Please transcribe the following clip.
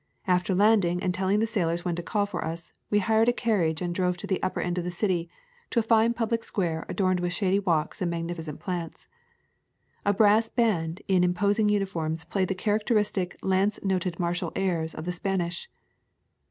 After landing and telling the sailors when to call for us, we hired a carriage and drove to the upper end of the city, to a fine public square adorned with shady walks and magnificent plants. A brass band in imposing uniform played the characteristic lance noted martial airs of the Spanish.